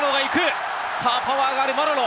パワーがあるマロロ。